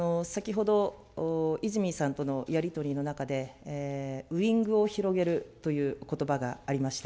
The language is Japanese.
先ほど、泉さんとのやり取りの中で、ウイングを広げるということばがありました。